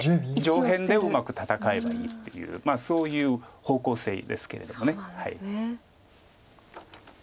上辺でうまく戦えばいいっていうそういう方向性ですけれども。